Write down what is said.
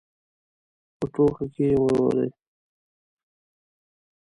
په ټولګي کې یې ولولئ.